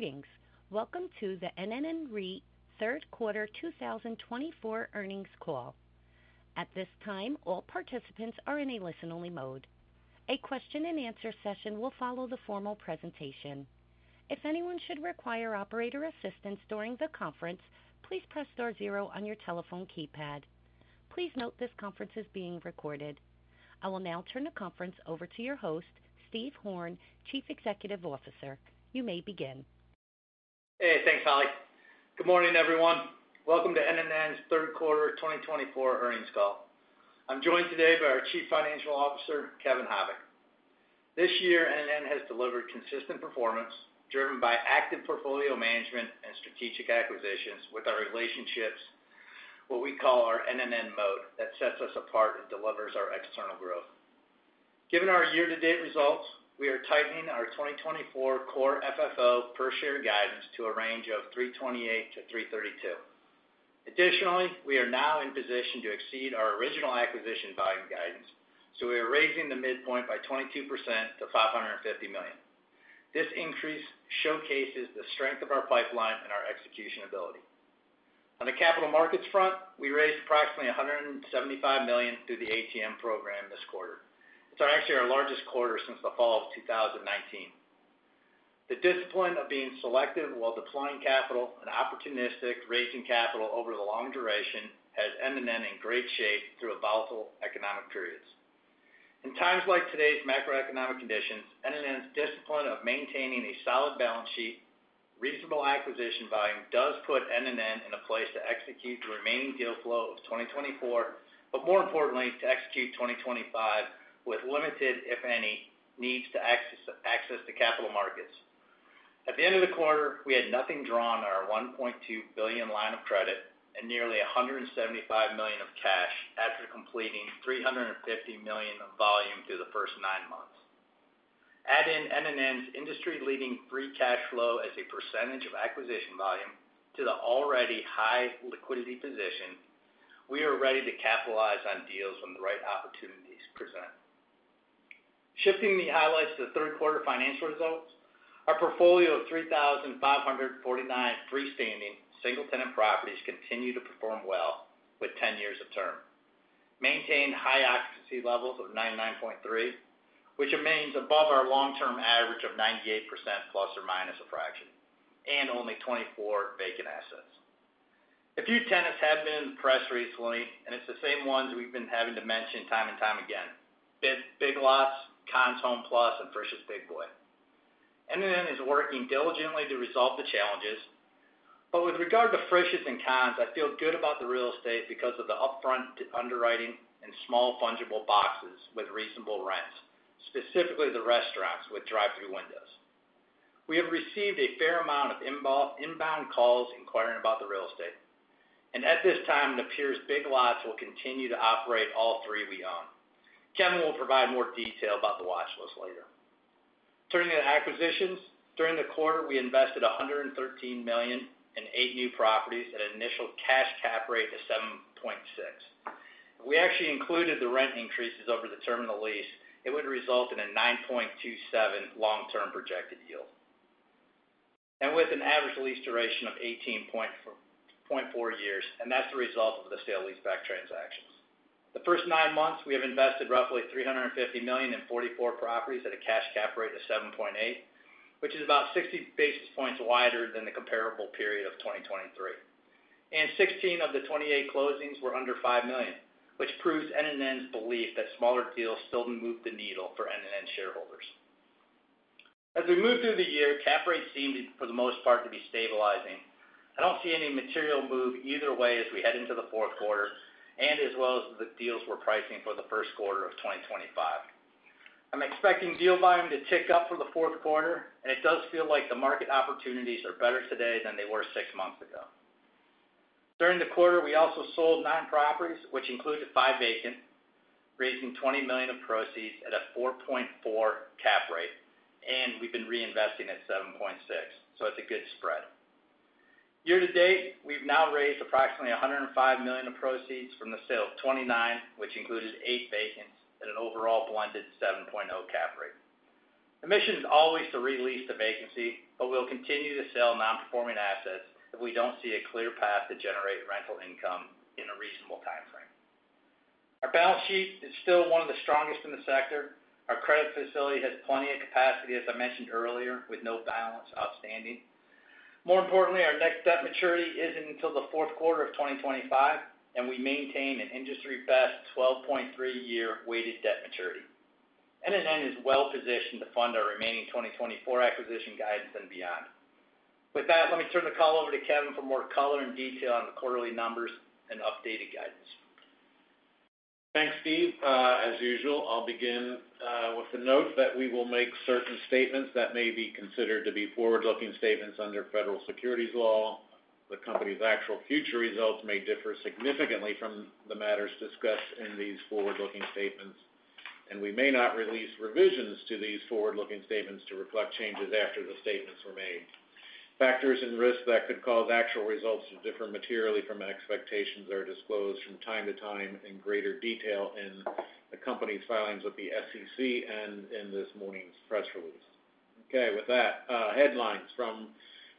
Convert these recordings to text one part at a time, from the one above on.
Greetings. Welcome to the NNN REIT Third Quarter 2024 Earnings Call. At this time, all participants are in a listen-only mode. A question-and-answer session will follow the formal presentation. If anyone should require operator assistance during the conference, please press star zero on your telephone keypad. Please note this conference is being recorded. I will now turn the conference over to your host, Steve Horn, Chief Executive Officer. You may begin. Hey, thanks, Holly. Good morning, everyone. Welcome to NNN's Third Quarter 2024 Earnings Call. I'm joined today by our Chief Financial Officer, Kevin Habicht. This year, NNN has delivered consistent performance driven by active portfolio management and strategic acquisitions with our relationships, what we call our NNN moat, that sets us apart and delivers our external growth. Given our year-to-date results, we are tightening our 2024 core FFO per share guidance to a range of 328 to 332. Additionally, we are now in position to exceed our original acquisition volume guidance, so we are raising the midpoint by 22% to $550 million. This increase showcases the strength of our pipeline and our execution ability. On the capital markets front, we raised approximately $175 million through the ATM program this quarter. It's actually our largest quarter since the fall of 2019. The discipline of being selective while deploying capital and opportunistically raising capital over the long duration has NNN in great shape through volatile economic periods. In times like today's macroeconomic conditions, NNN's discipline of maintaining a solid balance sheet and reasonable acquisition volume does put NNN in a place to execute the remaining deal flow of 2024, but more importantly, to execute 2025 with limited, if any, needs to access the capital markets. At the end of the quarter, we had nothing drawn on our $1.2 billion line of credit and nearly $175 million of cash after completing $350 million of volume through the first nine months. Add in NNN's industry-leading free cash flow as a percentage of acquisition volume to the already high liquidity position. We are ready to capitalize on deals when the right opportunities present. Shifting the highlights to the third quarter financial results, our portfolio of 3,549 freestanding single-tenant properties continued to perform well with 10 years of term. Maintained high occupancy levels of 99.3%, which remains above our long-term average of 98% plus or minus a fraction, and only 24 vacant assets. A few tenants have been in the press recently, and it's the same ones we've been having to mention time and time again: Big Lots, Conn's HomePlus, and Frisch's Big Boy. NNN is working diligently to resolve the challenges, but with regard to Frisch's and Conn's, I feel good about the real estate because of the upfront underwriting and small fungible boxes with reasonable rents, specifically the restaurants with drive-through windows. We have received a fair amount of inbound calls inquiring about the real estate, and at this time, it appears Big Lots will continue to operate all three we own. Kevin will provide more detail about the watch list later. Turning to acquisitions, during the quarter, we invested $113 million in eight new properties at an initial cash cap rate of 7.6. If we actually included the rent increases over the terminal lease, it would result in a 9.27 long-term projected yield, and with an average lease duration of 18.4 years, and that's the result of the sale lease-back transactions. The first nine months, we have invested roughly $350 million in 44 properties at a cash cap rate of 7.8, which is about 60 basis points wider than the comparable period of 2023. And 16 of the 28 closings were under $5 million, which proves NNN's belief that smaller deals still move the needle for NNN shareholders. As we move through the year, cap rates seem for the most part to be stabilizing. I don't see any material move either way as we head into the fourth quarter and as well as the deals we're pricing for the first quarter of 2025. I'm expecting deal volume to tick up for the fourth quarter, and it does feel like the market opportunities are better today than they were six months ago. During the quarter, we also sold nine properties, which included five vacant, raising $20 million of proceeds at a 4.4 cap rate, and we've been reinvesting at 7.6, so it's a good spread. Year-to-date, we've now raised approximately $105 million of proceeds from the sale of 29, which included eight vacants, at an overall blended 7.0 cap rate. The mission is always to re-lease to vacancy, but we'll continue to sell non-performing assets if we don't see a clear path to generate rental income in a reasonable timeframe. Our balance sheet is still one of the strongest in the sector. Our credit facility has plenty of capacity, as I mentioned earlier, with no balance outstanding. More importantly, our next debt maturity isn't until the fourth quarter of 2025, and we maintain an industry-best 12.3-year weighted debt maturity. NNN is well-positioned to fund our remaining 2024 acquisition guidance and beyond. With that, let me turn the call over to Kevin for more color and detail on the quarterly numbers and updated guidance. Thanks, Steve. As usual, I'll begin with the note that we will make certain statements that may be considered to be forward-looking statements under federal securities law. The company's actual future results may differ significantly from the matters discussed in these forward-looking statements, and we may not release revisions to these forward-looking statements to reflect changes after the statements were made. Factors and risks that could cause actual results to differ materially from expectations are disclosed from time to time in greater detail in the company's filings with the SEC and in this morning's press release. Okay, with that, headlines from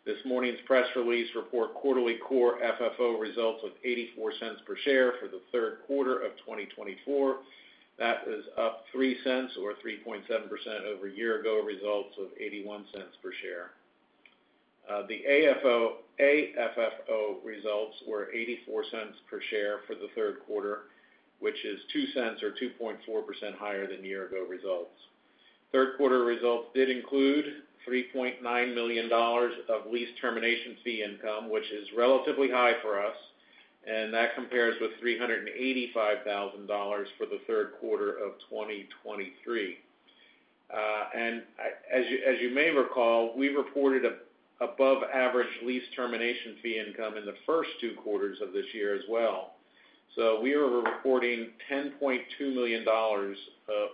this morning's press release report: quarterly core FFO results with $0.84 per share for the third quarter of 2024. That is up $0.03 or 3.7% over year-ago results of $0.81 per share. The AFFO results were $0.84 per share for the third quarter, which is $0.02 or 2.4% higher than year-ago results. Third quarter results did include $3.9 million of lease termination fee income, which is relatively high for us, and that compares with $385,000 for the third quarter of 2023, and as you may recall, we reported above-average lease termination fee income in the first two quarters of this year as well, so we are reporting $10.2 million of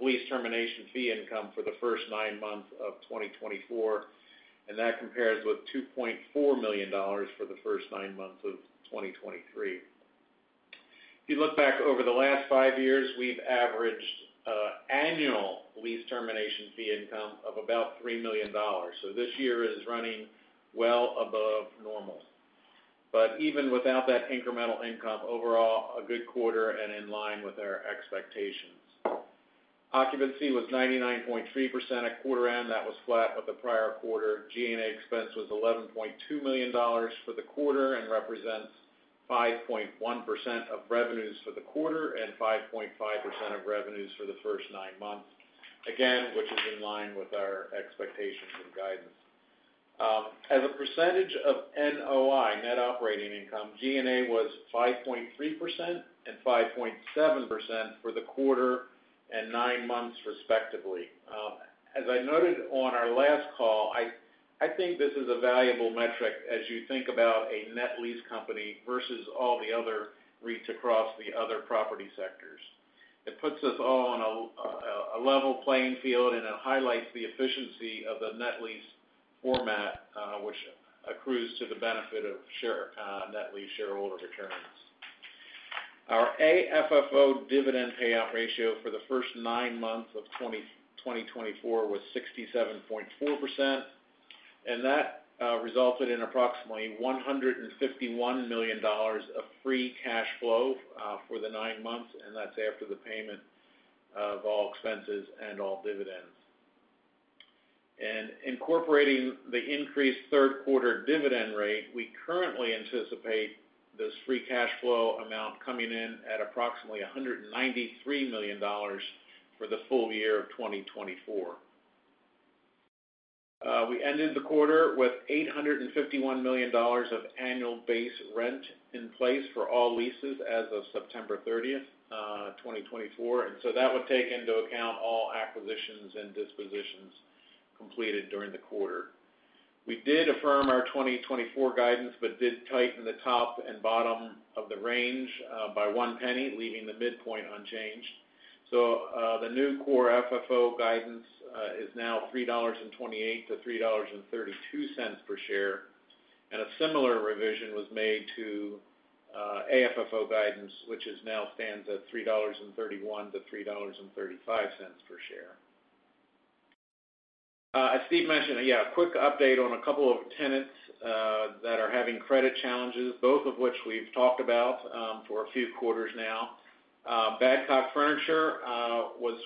lease termination fee income for the first nine months of 2024, and that compares with $2.4 million for the first nine months of 2023. If you look back over the last five years, we've averaged annual lease termination fee income of about $3 million, so this year is running well above normal, but even without that incremental income, overall, a good quarter and in line with our expectations. Occupancy was 99.3% at quarter-end. That was flat with the prior quarter. G&A expense was $11.2 million for the quarter and represents 5.1% of revenues for the quarter and 5.5% of revenues for the first nine months, again, which is in line with our expectations and guidance. As a percentage of NOI, net operating income, G&A was 5.3% and 5.7% for the quarter and nine months, respectively. As I noted on our last call, I think this is a valuable metric as you think about a net lease company versus all the other REITs across the other property sectors. It puts us all on a level playing field and it highlights the efficiency of the net lease format, which accrues to the benefit of net lease shareholder returns. Our AFFO dividend payout ratio for the first nine months of 2024 was 67.4%, and that resulted in approximately $151 million of free cash flow for the nine months, and that's after the payment of all expenses and all dividends, and incorporating the increased third quarter dividend rate, we currently anticipate this free cash flow amount coming in at approximately $193 million for the full year of 2024. We ended the quarter with $851 million of annual base rent in place for all leases as of September 30, 2024, and so that would take into account all acquisitions and dispositions completed during the quarter. We did affirm our 2024 guidance but did tighten the top and bottom of the range by $0.01, leaving the midpoint unchanged. So the new Core FFO guidance is now $3.28-$3.32 per share, and a similar revision was made to AFFO guidance, which now stands at $3.31-$3.35 per share. As Steve mentioned, yeah, a quick update on a couple of tenants that are having credit challenges, both of which we've talked about for a few quarters now. Badcock Furniture was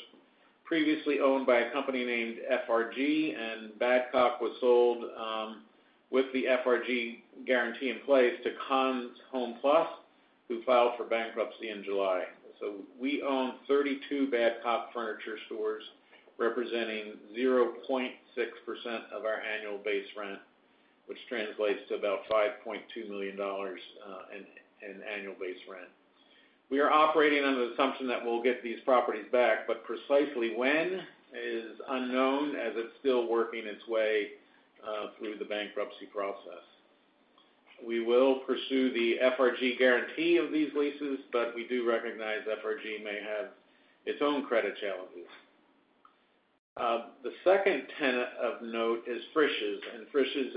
previously owned by a company named FRG, and Badcock was sold with the FRG guarantee in place to Conn's HomePlus, who filed for bankruptcy in July. So we own 32 Badcock Furniture stores representing 0.6% of our annual base rent, which translates to about $5.2 million in annual base rent. We are operating under the assumption that we'll get these properties back, but precisely when is unknown as it's still working its way through the bankruptcy process. We will pursue the FRG guarantee of these leases, but we do recognize FRG may have its own credit challenges. The second tenant of note is Frisch's, and Frisch's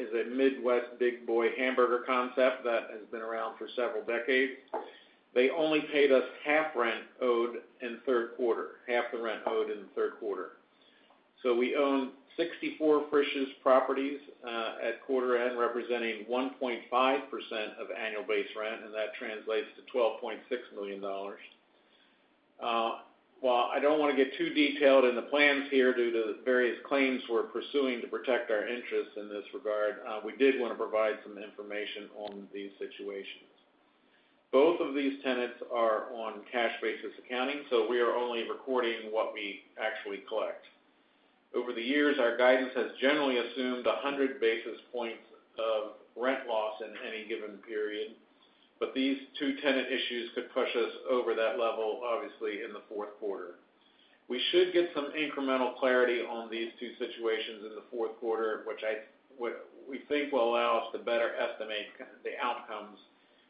is a Midwest Big Boy hamburger concept that has been around for several decades. They only paid us half rent owed in third quarter, half the rent owed in the third quarter. We own 64 Frisch's properties at quarter-end representing 1.5% of annual base rent, and that translates to $12.6 million. I don't want to get too detailed in the plans here due to various claims we're pursuing to protect our interests in this regard. We did want to provide some information on these situations. Both of these tenants are on cash basis accounting, so we are only recording what we actually collect. Over the years, our guidance has generally assumed 100 basis points of rent loss in any given period, but these two tenant issues could push us over that level, obviously, in the fourth quarter. We should get some incremental clarity on these two situations in the fourth quarter, which we think will allow us to better estimate the outcomes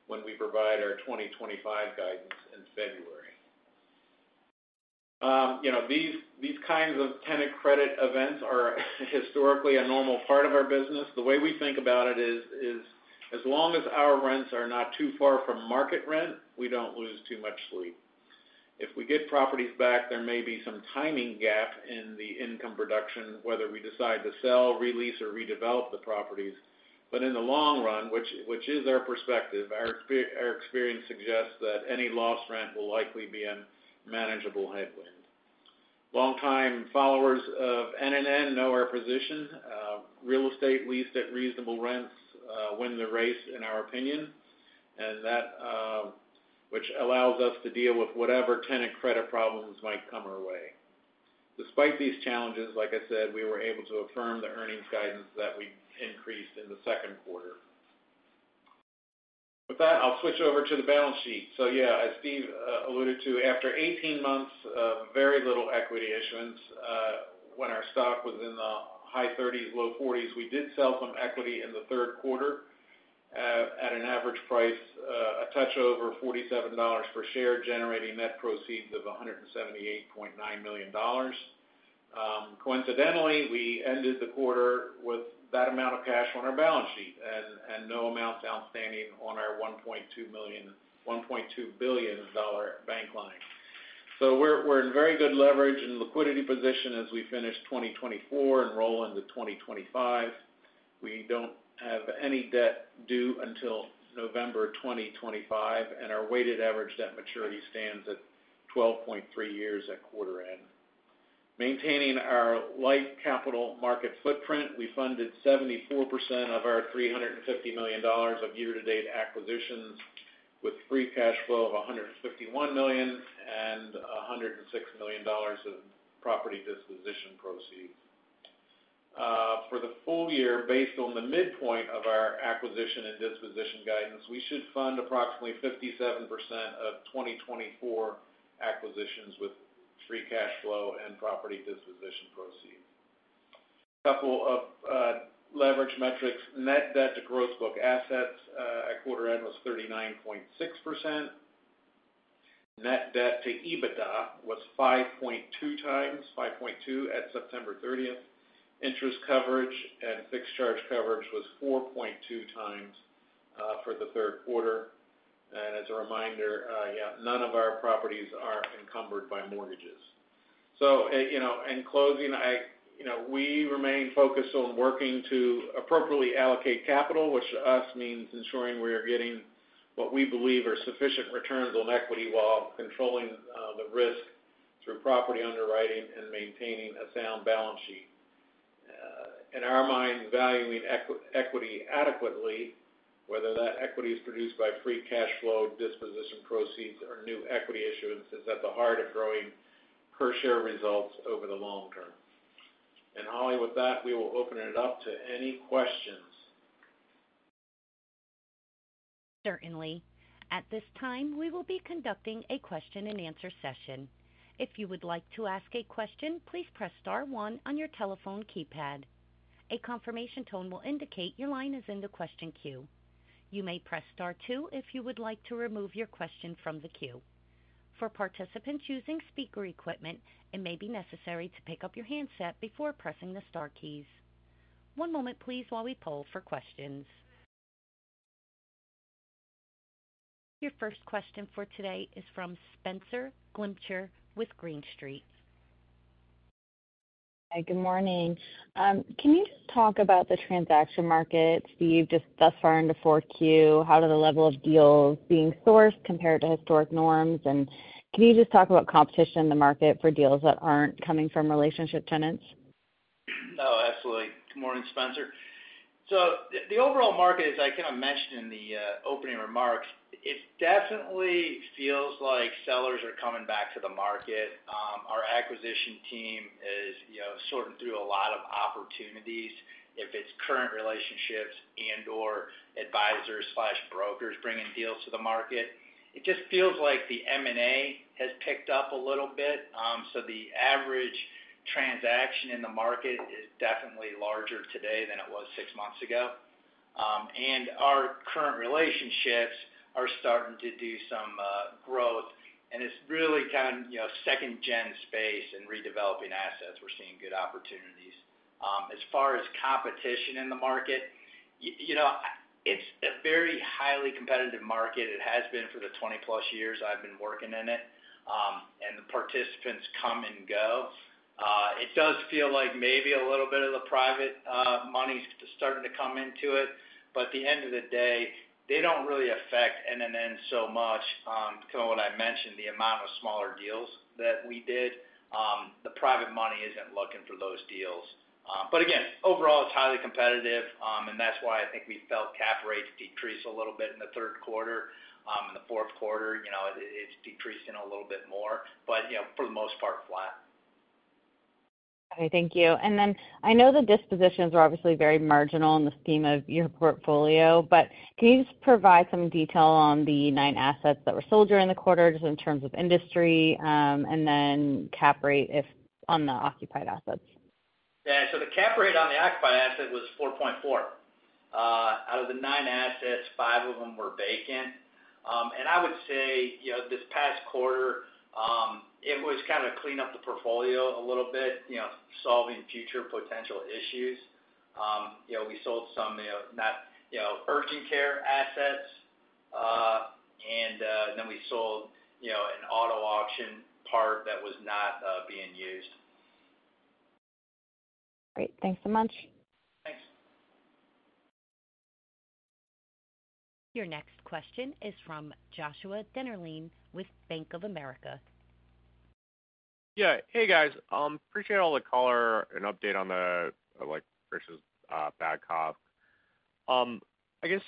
when we provide our 2025 guidance in February. These kinds of tenant credit events are historically a normal part of our business. The way we think about it is, as long as our rents are not too far from market rent, we don't lose too much sleep. If we get properties back, there may be some timing gap in the income production, whether we decide to sell, re-lease, or redevelop the properties. But in the long run, which is our perspective, our experience suggests that any lost rent will likely be a manageable headwind. Long-time followers of NNN know our position: real estate leased at reasonable rents win the race, in our opinion, and that which allows us to deal with whatever tenant credit problems might come our way. Despite these challenges, like I said, we were able to affirm the earnings guidance that we increased in the second quarter. With that, I'll switch over to the balance sheet. So yeah, as Steve alluded to, after 18 months of very little equity issuance, when our stock was in the high 30s, low 40s, we did sell some equity in the third quarter at an average price a touch over $47 per share, generating net proceeds of $178.9 million. Coincidentally, we ended the quarter with that amount of cash on our balance sheet and no amounts outstanding on our $1.2 billion bank line. So we're in very good leverage and liquidity position as we finish 2024 and roll into 2025. We don't have any debt due until November 2025, and our weighted average debt maturity stands at 12.3 years at quarter-end. Maintaining our light capital market footprint, we funded 74% of our $350 million of year-to-date acquisitions with free cash flow of $151 million and $106 million of property disposition proceeds. For the full year, based on the midpoint of our acquisition and disposition guidance, we should fund approximately 57% of 2024 acquisitions with free cash flow and property disposition proceeds. A couple of leverage metrics: net debt to gross book assets at quarter-end was 39.6%. Net debt to EBITDA was 5.2 times, 5.2 at September 30. Interest coverage and fixed charge coverage was 4.2 times for the third quarter. And as a reminder, yeah, none of our properties are encumbered by mortgages. So in closing, we remain focused on working to appropriately allocate capital, which to us means ensuring we are getting what we believe are sufficient returns on equity while controlling the risk through property underwriting and maintaining a sound balance sheet. In our mind, valuing equity adequately, whether that equity is produced by free cash flow, disposition proceeds, or new equity issuance, is at the heart of growing per-share results over the long term. And Holly, with that, we will open it up to any questions. Certainly. At this time, we will be conducting a question-and-answer session. If you would like to ask a question, please press star one on your telephone keypad. A confirmation tone will indicate your line is in the question queue. You may press star two if you would like to remove your question from the queue. For participants using speaker equipment, it may be necessary to pick up your handset before pressing the star keys. One moment, please, while we poll for questions. Your first question for today is from Spenser Glimcher with Green Street. Hi, good morning. Can you just talk about the transaction market, Steve, just thus far in the fourth Q? How does the level of deals being sourced compare to historic norms? And can you just talk about competition in the market for deals that aren't coming from relationship tenants? No, absolutely. Good morning, Spenser. So the overall market, as I kind of mentioned in the opening remarks, it definitely feels like sellers are coming back to the market. Our acquisition team is sorting through a lot of opportunities, if it's current relationships and/or advisors/brokers bringing deals to the market. It just feels like the M&A has picked up a little bit. So the average transaction in the market is definitely larger today than it was six months ago. And our current relationships are starting to do some growth. And it's really kind of second-gen space and redeveloping assets. We're seeing good opportunities. As far as competition in the market, it's a very highly competitive market. It has been for the 20+ years I've been working in it, and the participants come and go. It does feel like maybe a little bit of the private money is starting to come into it, but at the end of the day, they don't really affect NNN so much. Kind of what I mentioned, the amount of smaller deals that we did, the private money isn't looking for those deals. But again, overall, it's highly competitive, and that's why I think we felt cap rates decrease a little bit in the third quarter. In the fourth quarter, it's decreasing a little bit more, but for the most part, flat. Okay, thank you. And then I know the dispositions were obviously very marginal in the scheme of your portfolio, but can you just provide some detail on the nine assets that were sold during the quarter just in terms of industry and then cap rate on the occupied assets? Yeah, so the cap rate on the occupied asset was 4.4%. Out of the nine assets, five of them were vacant. And I would say this past quarter, it was kind of cleaning up the portfolio a little bit, solving future potential issues. We sold some urgent care assets, and then we sold an auto auction part that was not being used. Great. Thanks so much. Thanks. Your next question is from Joshua Dennerlein with Bank of America. Yeah. Hey, guys. Appreciate all the color and update on Frisch's, Badcock. I guess,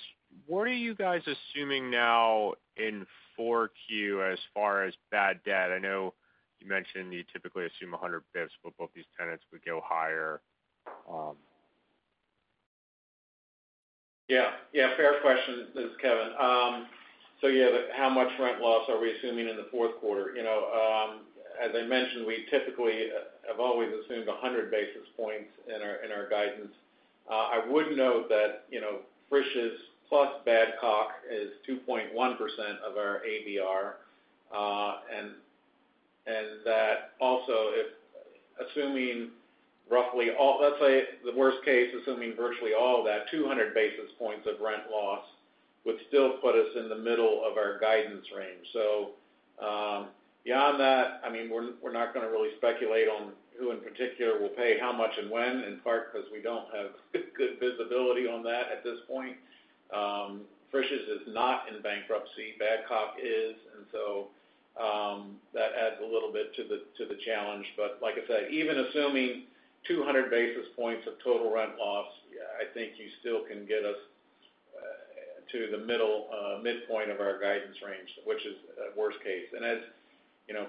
what are you guys assuming now in fourth year as far as bad debt? I know you mentioned you typically assume 100 basis points, but both these tenants would go higher. Yeah. Yeah, fair question, this is Kevin. So yeah, how much rent loss are we assuming in the fourth quarter? As I mentioned, we typically have always assumed 100 basis points in our guidance. I would note that Frisch's plus Badcock is 2.1% of our ABR, and that also, assuming roughly all - let's say the worst case, assuming virtually all of that - 200 basis points of rent loss would still put us in the middle of our guidance range. So beyond that, I mean, we're not going to really speculate on who in particular will pay how much and when, in part because we don't have good visibility on that at this point. Frisch's is not in bankruptcy. Badcock is, and so that adds a little bit to the challenge. But like I said, even assuming 200 basis points of total rent loss, I think you still can get us to the middle midpoint of our guidance range, which is a worst case. And as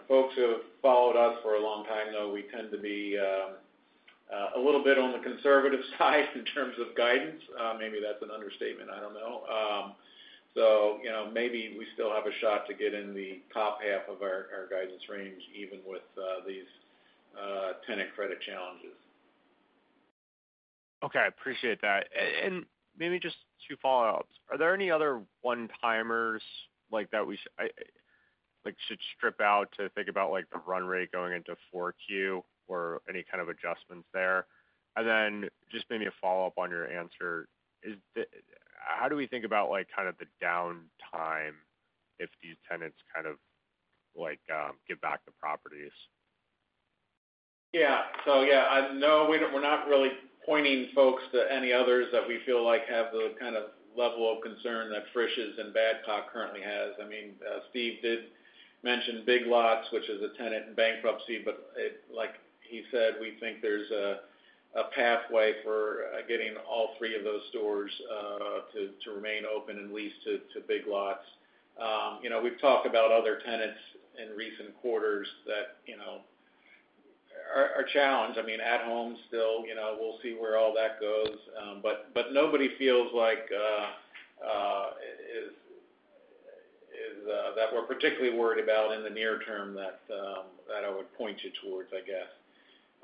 folks who have followed us for a long time, though, we tend to be a little bit on the conservative side in terms of guidance. Maybe that's an understatement. I don't know. So maybe we still have a shot to get in the top half of our guidance range, even with these tenant credit challenges. Okay. Appreciate that. And maybe just two follow-ups. Are there any other one-timers that we should strip out to think about the run rate going into fourth year or any kind of adjustments there? And then just maybe a follow-up on your answer. How do we think about kind of the downtime if these tenants kind of give back the properties? Yeah. So yeah, no, we're not really pointing folks to any others that we feel like have the kind of level of concern that Frisch's and Badcock currently has. I mean, Steve did mention Big Lots, which is a tenant in bankruptcy, but like he said, we think there's a pathway for getting all three of those stores to remain open and leased to Big Lots. We've talked about other tenants in recent quarters that are challenged. I mean, At Home still, we'll see where all that goes. But nobody feels like that we're particularly worried about in the near term that I would point you towards, I guess.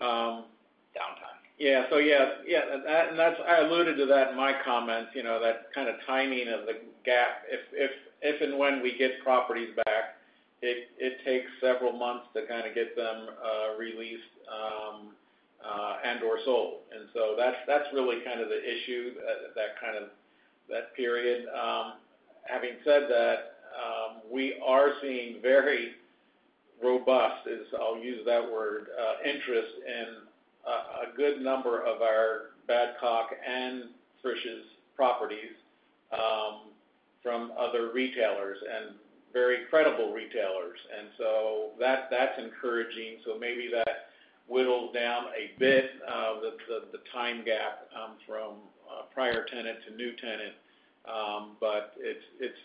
Downtime. Yeah. So yeah, yeah. And I alluded to that in my comments, that kind of timing of the gap. If and when we get properties back, it takes several months to kind of get them re-leased and/or sold. That's really kind of the issue, that kind of period. Having said that, we are seeing very robust, I'll use that word, interest in a good number of our Badcock and Frisch's properties from other retailers and very credible retailers. That's encouraging. Maybe that whittles down a bit of the time gap from prior tenant to new tenant.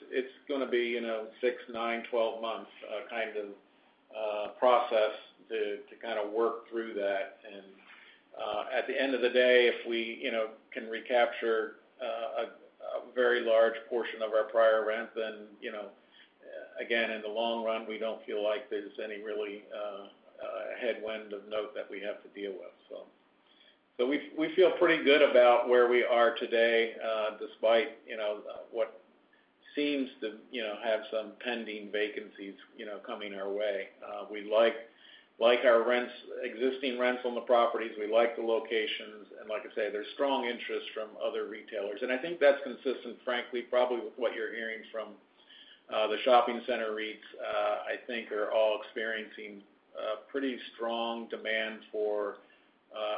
It's going to be six, nine, 12 months kind of process to kind of work through that. And at the end of the day, if we can recapture a very large portion of our prior rent, then again, in the long run, we don't feel like there's any really headwind of note that we have to deal with. We feel pretty good about where we are today despite what seems to have some pending vacancies coming our way. We like our existing rents on the properties. We like the locations. And like I say, there's strong interest from other retailers. And I think that's consistent, frankly, probably with what you're hearing from the shopping center REITs, I think are all experiencing pretty strong demand for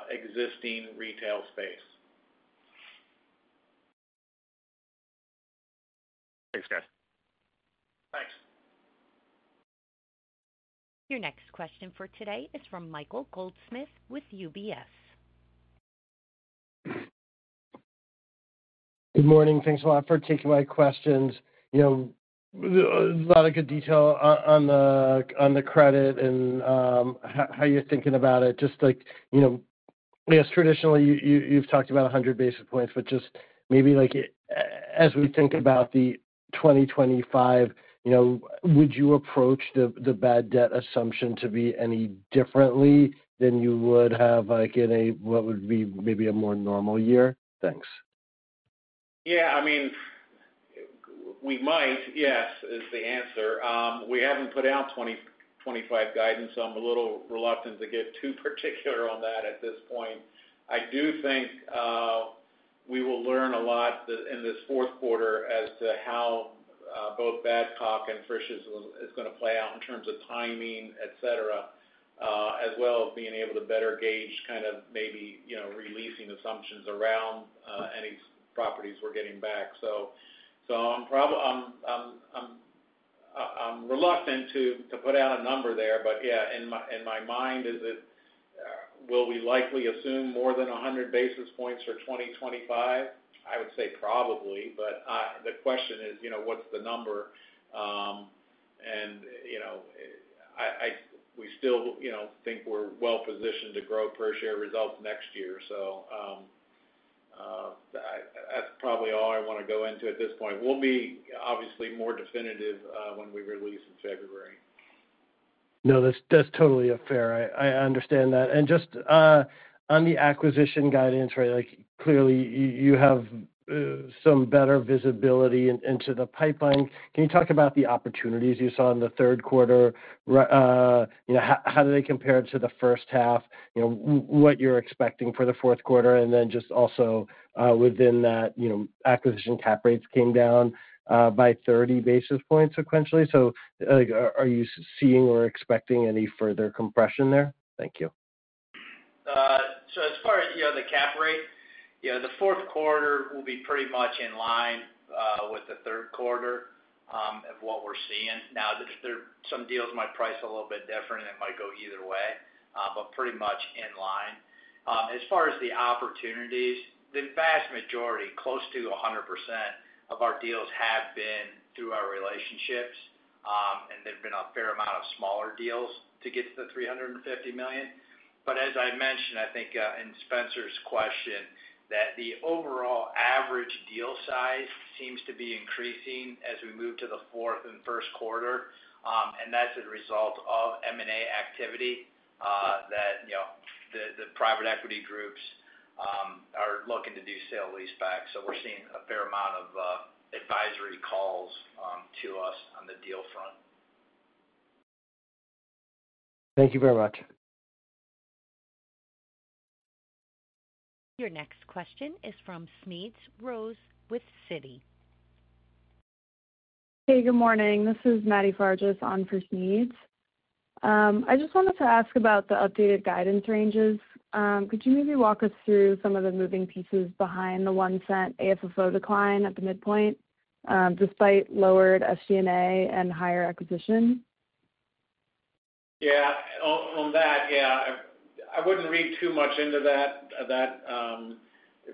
existing retail space. Thanks, guys. Thanks. Your next question for today is from Michael Goldsmith with UBS. Good morning. Thanks a lot for taking my questions. A lot of good detail on the credit and how you're thinking about it. Just like traditionally, you've talked about 100 basis points, but just maybe as we think about the 2025, would you approach the bad debt assumption to be any differently than you would have in a what would be maybe a more normal year? Thanks. Yeah. I mean, we might, yes, is the answer. We haven't put out 2025 guidance, so I'm a little reluctant to get too particular on that at this point. I do think we will learn a lot in this fourth quarter as to how both Badcock and Frisch's is going to play out in terms of timing, etc., as well as being able to better gauge kind of maybe releasing assumptions around any properties we're getting back. So I'm reluctant to put out a number there, but yeah, in my mind, is it will we likely assume more than 100 basis points for 2025? I would say probably, but the question is what's the number? And we still think we're well-positioned to grow per-share results next year. So that's probably all I want to go into at this point. We'll be obviously more definitive when we release in February. No, that's totally fair. I understand that. And just on the acquisition guidance, right, clearly you have some better visibility into the pipeline. Can you talk about the opportunities you saw in the third quarter? How do they compare to the first half? What you're expecting for the fourth quarter? And then just also within that, acquisition cap rates came down by 30 basis points sequentially. So are you seeing or expecting any further compression there? Thank you. As far as the cap rate, the fourth quarter will be pretty much in line with the third quarter of what we're seeing. Now, some deals might price a little bit different, and it might go either way, but pretty much in line. As far as the opportunities, the vast majority, close to 100% of our deals have been through our relationships, and there've been a fair amount of smaller deals to get to the $350 million. But as I mentioned, I think in Spencer's question, that the overall average deal size seems to be increasing as we move to the fourth and first quarter. And that's a result of M&A activity that the private equity groups are looking to do sale-leaseback. So we're seeing a fair amount of advisory calls to us on the deal front. Thank you very much. Your next question is from Smedes Rose with Citi. Hey, good morning. This is Maddy Fargis on for Smedes Rose. I just wanted to ask about the updated guidance ranges. Could you maybe walk us through some of the moving pieces behind the $0.01 AFFO decline at the midpoint despite lowered SG&A and higher acquisition? Yeah. On that, yeah, I wouldn't read too much into that.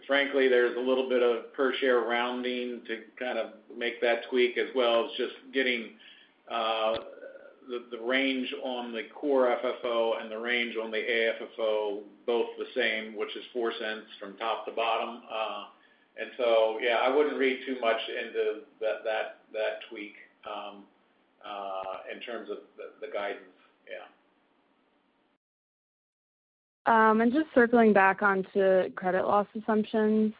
Frankly, there's a little bit of per-share rounding to kind of make that tweak as well as just getting the range on the core FFO and the range on the AFFO both the same, which is $0.04 from top to bottom. And so yeah, I wouldn't read too much into that tweak in terms of the guidance. Yeah. And just circling back onto credit loss assumptions,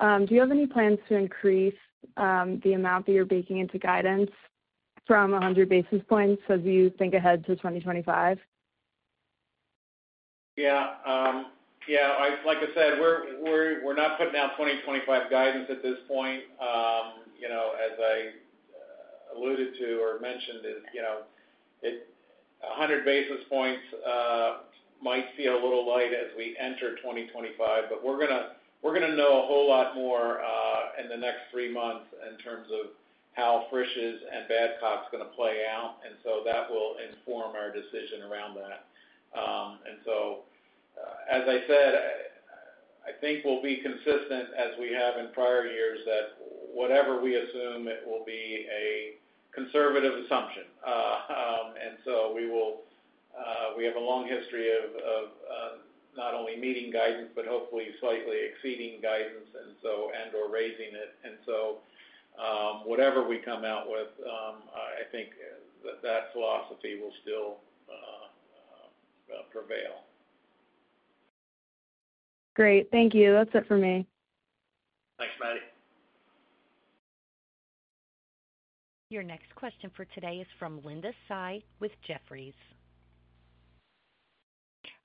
do you have any plans to increase the amount that you're baking into guidance from 100 basis points as you think ahead to 2025? Yeah. Yeah. Like I said, we're not putting out 2025 guidance at this point. As I alluded to or mentioned, 100 basis points might feel a little light as we enter 2025, but we're going to know a whole lot more in the next three months in terms of how Frisch's and Badcock's going to play out. And so that will inform our decision around that. And so, as I said, I think we'll be consistent as we have in prior years that whatever we assume, it will be a conservative assumption. And so we have a long history of not only meeting guidance, but hopefully slightly exceeding guidance and/or raising it. And so whatever we come out with, I think that philosophy will still prevail. Great. Thank you. That's it for me. Thanks, Maddy. Your next question for today is from Linda Tsai with Jefferies.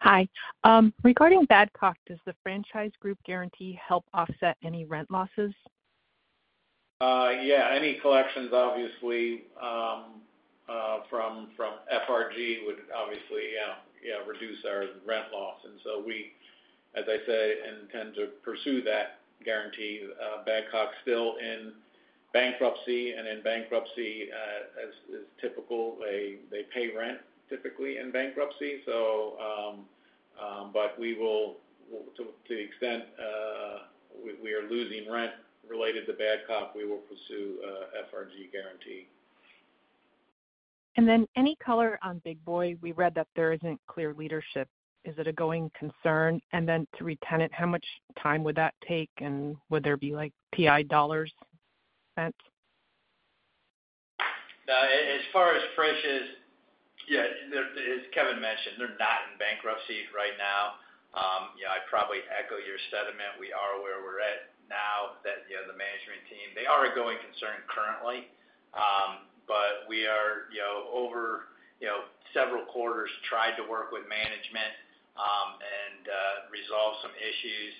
Hi. Regarding Badcock, does the franchise group guarantee help offset any rent losses? Yeah. Any collections, obviously, from FRG would obviously reduce our rent loss. And so we, as I said, intend to pursue that guarantee. Badcock's still in bankruptcy, and in bankruptcy, as is typical, they pay rent typically in bankruptcy. But to the extent we are losing rent related to Badcock, we will pursue FRG guarantee. And then any color on Big Boy. We read that there isn't clear leadership. Is it a going concern? And then to retain it, how much time would that take, and would there be TI dollars spent? As far as Frisch's, yeah, as Kevin mentioned, they're not in bankruptcy right now. I probably echo your sentiment. We are where we're at now that the management team, they are a going concern currently. But we are, over several quarters, tried to work with management and resolve some issues.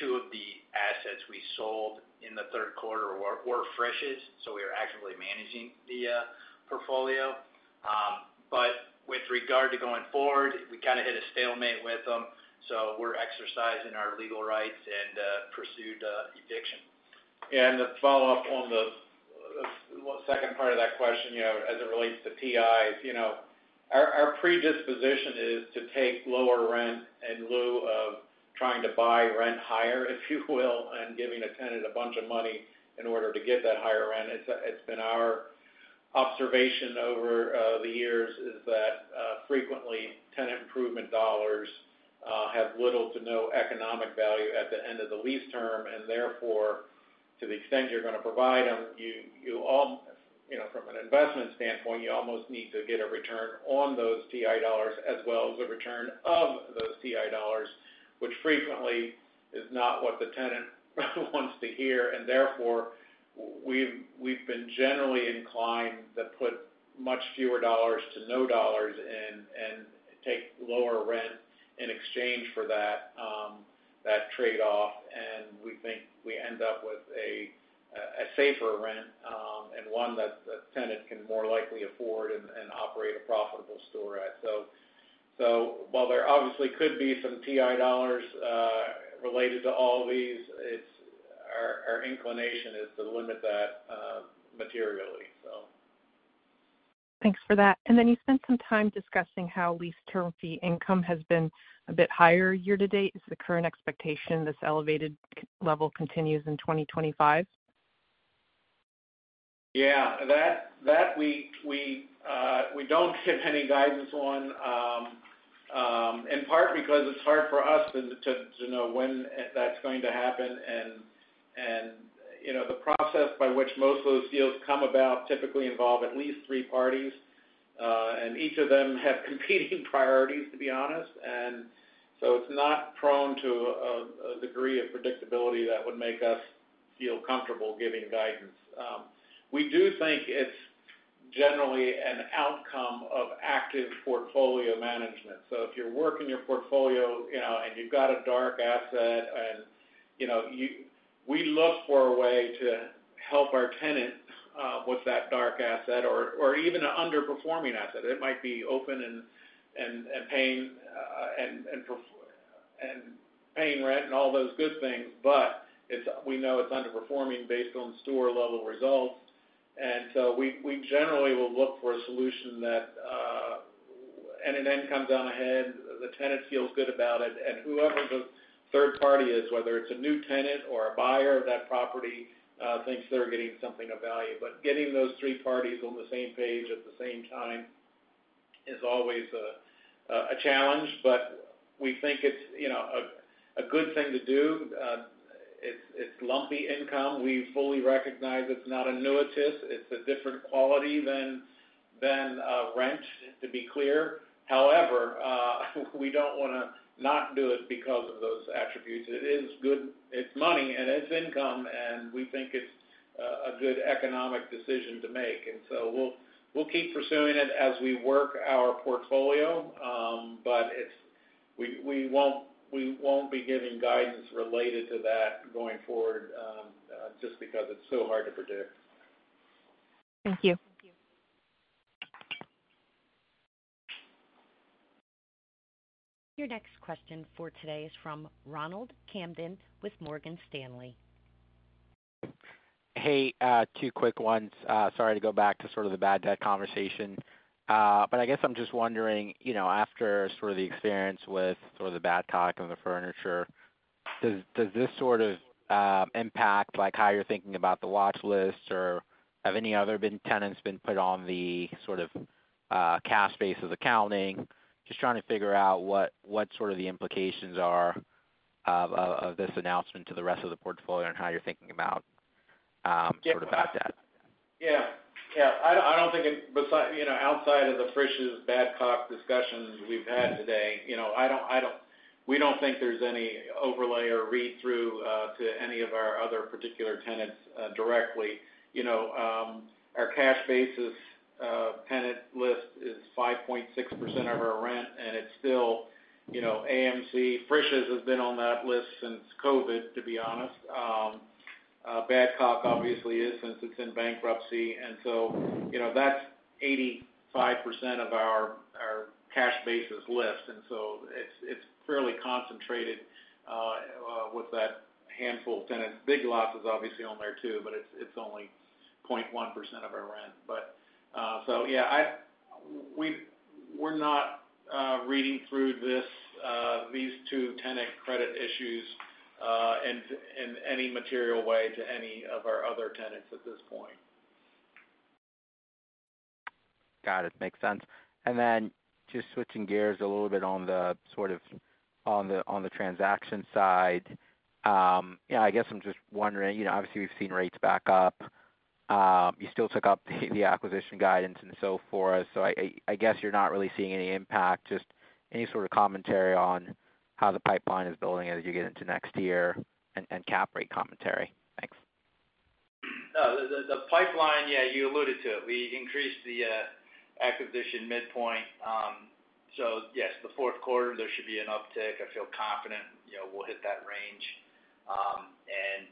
Two of the assets we sold in the third quarter were Frisch's, so we are actively managing the portfolio. But with regard to going forward, we kind of hit a stalemate with them. So we're exercising our legal rights and pursued eviction. And to follow up on the second part of that question, as it relates to PIs, our predisposition is to take lower rent in lieu of trying to buy rent higher, if you will, and giving a tenant a bunch of money in order to get that higher rent. It's been our observation over the years is that frequently tenant improvement dollars have little to no economic value at the end of the lease term. And therefore, to the extent you're going to provide them, from an investment standpoint, you almost need to get a return on those TI dollars as well as a return of those TI dollars, which frequently is not what the tenant wants to hear. And therefore, we've been generally inclined to put much fewer dollars to no dollars and take lower rent in exchange for that trade-off. And we think we end up with a safer rent and one that the tenant can more likely afford and operate a profitable store at. So while there obviously could be some TI dollars related to all these, our inclination is to limit that materially, so. Thanks for that. And then you spent some time discussing how lease termination fee income has been a bit higher year to date. Is the current expectation this elevated level continues in 2025? Yeah. That we don't give any guidance on, in part because it's hard for us to know when that's going to happen. And the process by which most of those deals come about typically involve at least three parties, and each of them have competing priorities, to be honest. And so it's not prone to a degree of predictability that would make us feel comfortable giving guidance. We do think it's generally an outcome of active portfolio management. So if you're working your portfolio and you've got a dark asset, we look for a way to help our tenant with that dark asset or even an underperforming asset. It might be open and paying rent and all those good things, but we know it's underperforming based on store-level results. And so we generally will look for a solution that and it then comes out ahead. The tenant feels good about it. And whoever the third party is, whether it's a new tenant or a buyer of that property, thinks they're getting something of value. But getting those three parties on the same page at the same time is always a challenge, but we think it's a good thing to do. It's lumpy income. We fully recognize it's not an annuity. It's a different quality than rent, to be clear. However, we don't want to not do it because of those attributes. It is good. It's money and it's income, and we think it's a good economic decision to make. And so we'll keep pursuing it as we work our portfolio, but we won't be giving guidance related to that going forward just because it's so hard to predict. Thank you. Your next question for today is from Ronald Kamdem with Morgan Stanley. Hey, two quick ones. Sorry to go back to sort of the bad debt conversation, but I guess I'm just wondering, after sort of the experience with sort of the Badcock and the furniture, does this sort of impact how you're thinking about the watch list? Or have any other tenants been put on the sort of cash basis accounting? Just trying to figure out what sort of the implications are of this announcement to the rest of the portfolio and how you're thinking about sort of that debt. Yeah. Yeah. I don't think outside of the Frisch's Badcock discussions we've had today, we don't think there's any overlay or read-through to any of our other particular tenants directly. Our cash-basis tenant list is 5.6% of our rent, and it's still AMC. Frisch's has been on that list since COVID, to be honest. Badcock obviously is since it's in bankruptcy. And so that's 85% of our cash-basis list. And so it's fairly concentrated with that handful of tenants. Big Lots is obviously on there too, but it's only 0.1% of our rent. So yeah, we're not reading through these two tenant credit issues in any material way to any of our other tenants at this point. Got it. Makes sense. And then just switching gears a little bit on the sort of, on the transaction side, I guess I'm just wondering, obviously, we've seen rates back up. You still took up the acquisition guidance and so forth. So I guess you're not really seeing any impact. Just any sort of commentary on how the pipeline is building as you get into next year and cap rate commentary. Thanks. No, the pipeline, yeah, you alluded to it. We increased the acquisition midpoint so yes, the fourth quarter, there should be an uptick. I feel confident we'll hit that range, and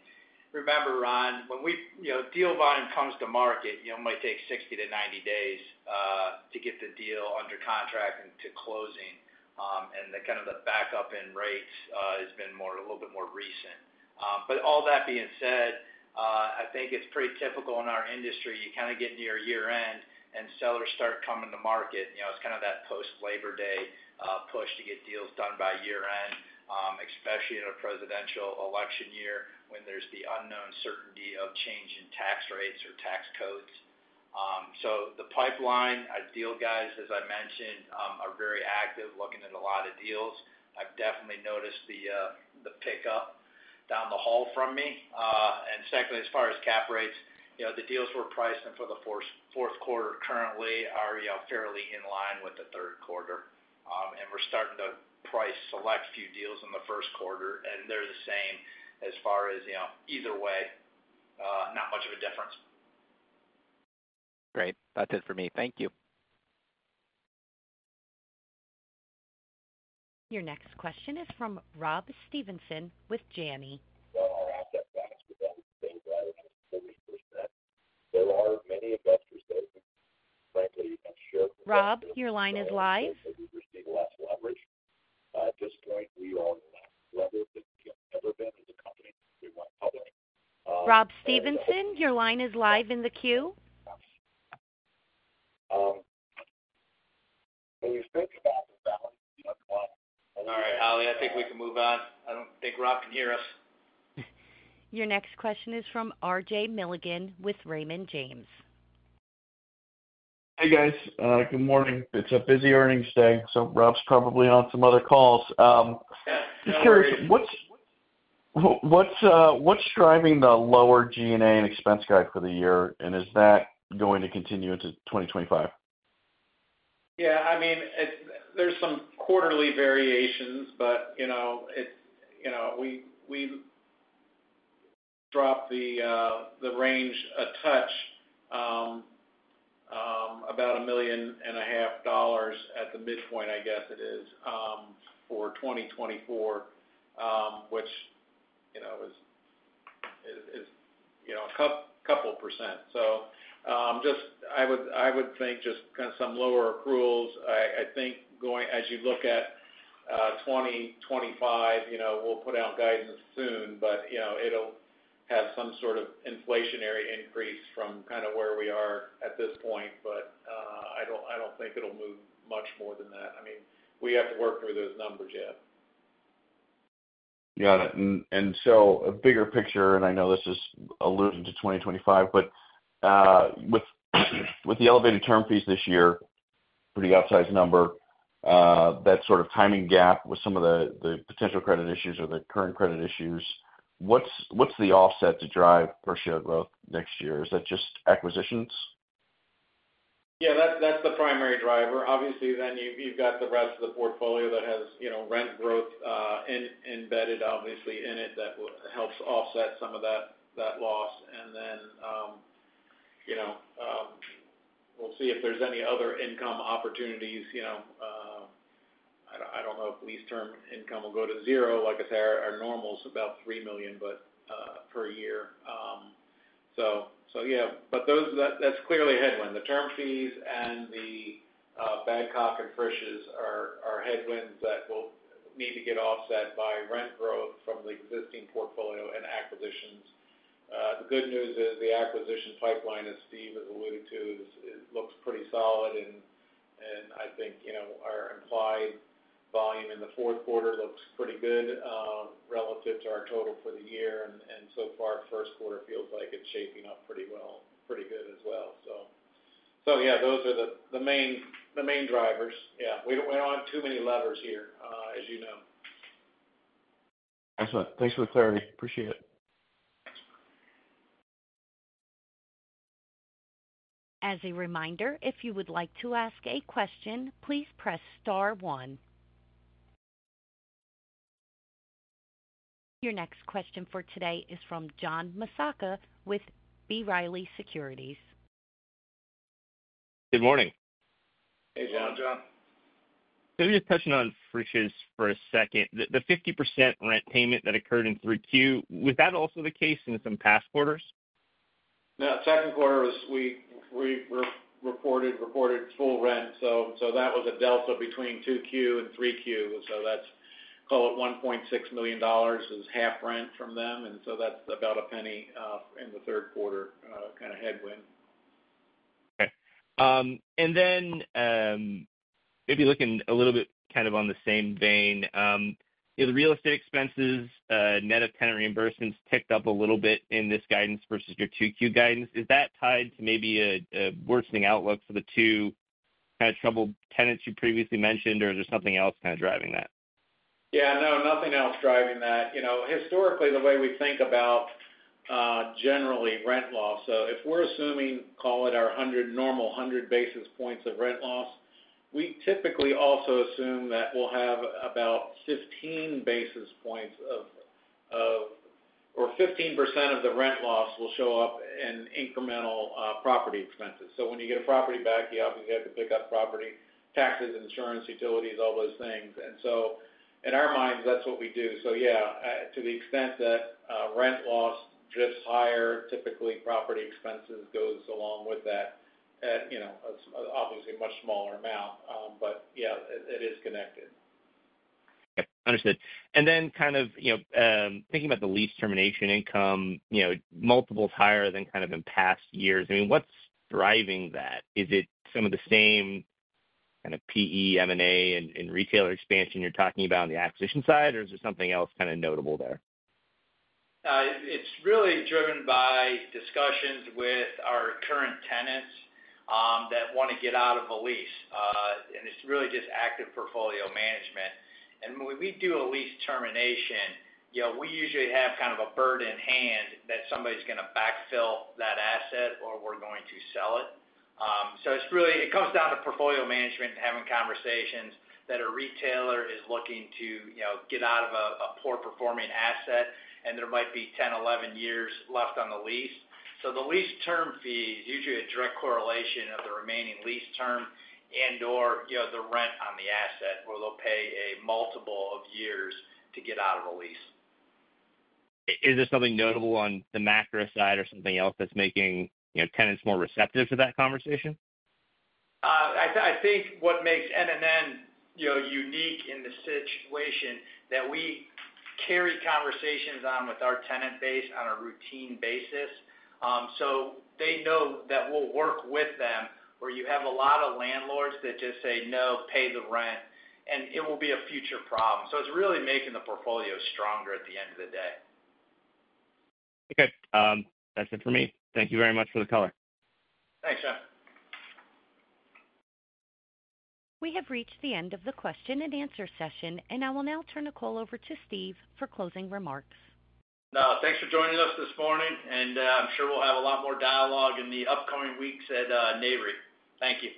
remember, Ron, when deal volume comes to market, it might take 60-90 days to get the deal under contract and to closing. And kind of the backup in rates has been a little bit more recent, but all that being said, I think it's pretty typical in our industry. You kind of get near year-end and sellers start coming to market. It's kind of that post-Labor Day push to get deals done by year-end, especially in a presidential election year when there's the unknown certainty of change in tax rates or tax codes, so the pipeline, our deal guys, as I mentioned, are very active looking at a lot of deals. I've definitely noticed the pickup down the hall from me. And secondly, as far as cap rates, the deals we're pricing for the fourth quarter currently are fairly in line with the third quarter. And we're starting to price select few deals in the first quarter, and they're the same as far as either way, not much of a difference. Great. That's it for me. Thank you. Your next question is from Rob Stevenson with Janney. Our asset class is at the same level as 40%. There are many investors that, frankly, I'm sure. Rob, your line is live. We receive less leverage. At this point, we are in less leverage than we have ever been as a company. We went public. Rob Stevenson, your line is live in the queue. Can you think about the value of the underlying? All right, Holly, I think we can move on. I don't think Rob can hear us. Your next question is from RJ Milligan with Raymond James. Hey, guys. Good morning. It's a busy earnings day, so Rob's probably on some other calls. Just curious, what's driving the lower G&A and expense guide for the year, and is that going to continue into 2025? Yeah. I mean, there's some quarterly variations, but we dropped the range a touch, about $1.5 million at the midpoint, I guess it is, for 2024, which is a couple%. So I would think just kind of some lower accruals. I think as you look at 2025, we'll put out guidance soon, but it'll have some sort of inflationary increase from kind of where we are at this point. But I don't think it'll move much more than that. I mean, we have to work through those numbers yet. Got it. And so a bigger picture, and I know this is alluding to 2025, but with the elevated term fees this year, pretty upsized number, that sort of timing gap with some of the potential credit issues or the current credit issues, what's the offset to drive per share growth next year? Is that just acquisitions? Yeah, that's the primary driver. Obviously, then you've got the rest of the portfolio that has rent growth embedded, obviously, in it that helps offset some of that loss. And then we'll see if there's any other income opportunities. I don't know if lease term income will go to zero. Like I said, our normal is about $3 million per year. So yeah, but that's clearly a headwind. The term fees and the Badcock and Frisch's are headwinds that will need to get offset by rent growth from the existing portfolio and acquisitions. The good news is the acquisition pipeline, as Steve has alluded to, looks pretty solid. And I think our implied volume in the fourth quarter looks pretty good relative to our total for the year. And so far, first quarter feels like it's shaping up pretty well, pretty good as well. So yeah, those are the main drivers. Yeah. We don't have too many levers here, as you know. Excellent. Thanks for the clarity. Appreciate it. As a reminder, if you would like to ask a question, please press star one. Your next question for today is from John Massocca with B. Riley Securities. Good morning. Hey, John. John. So just touching on Frisch's for a second. The 50% rent payment that occurred in 3Q, was that also the case in some past quarters? No. Second quarter, we reported full rent. So that was a delta between 2Q and 3Q. So that's, call it $1.6 million, is half rent from them. And so that's about a penny in the third quarter kind of headwind. Okay. And then maybe looking a little bit kind of on the same vein, the real estate expenses, net of tenant reimbursements, ticked up a little bit in this guidance versus your 2Q guidance. Is that tied to maybe a worsening outlook for the two kind of troubled tenants you previously mentioned, or is there something else kind of driving that? Yeah. No, nothing else driving that. Historically, the way we think about generally rent loss, so if we're assuming, call it our normal 100 basis points of rent loss, we typically also assume that we'll have about 15% of the rent loss will show up in incremental property expenses. So when you get a property back, you obviously have to pick up property taxes, insurance, utilities, all those things. And so in our minds, that's what we do. So yeah, to the extent that rent loss drifts higher, typically property expenses goes along with that, obviously a much smaller amount. But yeah, it is connected. Okay. Understood. And then kind of thinking about the lease termination income, multiples higher than kind of in past years. I mean, what's driving that? Is it some of the same kind of PE, M&A, and retailer expansion you're talking about on the acquisition side, or is there something else kind of notable there? It's really driven by discussions with our current tenants that want to get out of a lease. And it's really just active portfolio management. And when we do a lease termination, we usually have kind of a bird in hand that somebody's going to backfill that asset or we're going to sell it. So it comes down to portfolio management and having conversations that a retailer is looking to get out of a poor-performing asset, and there might be 10, 11 years left on the lease. So the lease termination fee is usually a direct correlation of the remaining lease term and/or the rent on the asset where they'll pay a multiple of years to get out of a lease. Is there something notable on the macro side or something else that's making tenants more receptive to that conversation? I think what makes NNN unique in this situation is that we carry conversations on with our tenant base on a routine basis. So they know that we'll work with them where you have a lot of landlords that just say, "No, pay the rent," and it will be a future problem. So it's really making the portfolio stronger at the end of the day. Okay. That's it for me. Thank you very much for the call. Thanks, John. We have reached the end of the question and answer session, and I will now turn the call over to Steve for closing remarks. No, thanks for joining us this morning, and I'm sure we'll have a lot more dialogue in the upcoming weeks at NAREIT. Thank you.